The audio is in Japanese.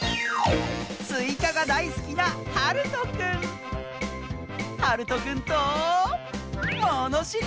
すいかがだいすきなはるとくんとものしりとり！